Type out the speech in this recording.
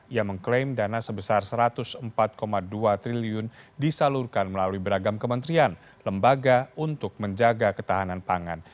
ia mengklaim dana sebesar rp satu ratus empat dua triliun disalurkan melalui beragam kementerian lembaga untuk menjaga ketahanan pangan